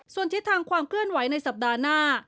ส่วนทิศทางความเคลื่อนไหวในสัปดาห์หน้า